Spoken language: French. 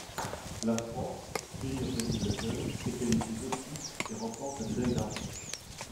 La France, pays organisateur, est qualifiée d'office et remporte la médaille d'argent.